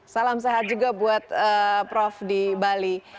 salam sehat juga buat prof di bali